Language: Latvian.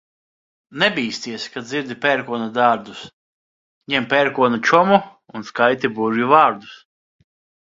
Nebīsties, kad dzirdi pērkona dārdus, ņem pērkona čomu un skaiti burvju vārdus.